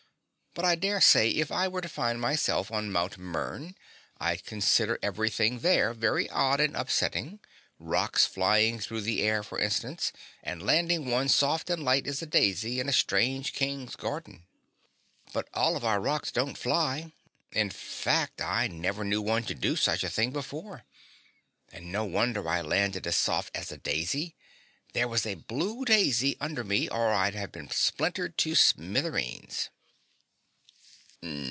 But I daresay if I were to find myself on Mt. Mern I'd consider everything there very odd and upsetting; rocks flying through the air, for instance, and landing one soft and light as a daisy in a strange King's garden." "But all of our rocks don't fly, in fact I never knew one to do such a thing before. And no wonder I landed as soft as a daisy there was a blue daisy under me or I'd have been splintered to smithereens!"